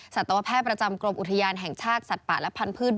สัตวแพทย์ประจำกรมอุทยานแห่งชาติสัตว์ป่าและพันธุ์